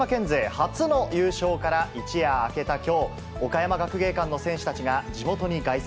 初の優勝から一夜明けたきょう、岡山学芸館の選手たちが地元に凱旋。